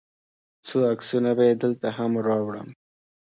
څو عکسونه به یې دلته هم راوړم.